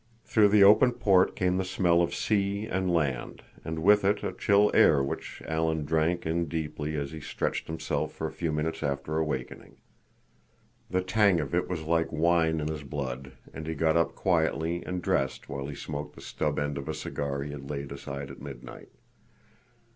Through the open port came the smell of sea and land, and with it a chill air which Alan drank in deeply as he stretched himself for a few minutes after awakening. The tang of it was like wine in his blood, and he got up quietly and dressed while he smoked the stub end of a cigar he had laid aside at midnight.